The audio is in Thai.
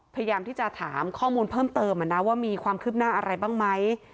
พยายามที่จะถามข้อมูลเพิ่มเติมว่ามีความคืบหน้าอะไรบ้างไหม